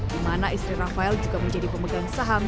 di mana istri rafael juga menjadi pemegang saham